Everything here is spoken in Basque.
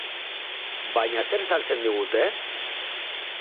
Baina zer saltzen digute?